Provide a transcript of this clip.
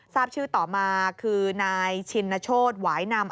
ทราบชื่อต่อมาคือนายชินโชธหวายนำ